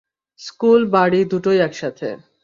School, বাড়ি দুটোই একসাথে।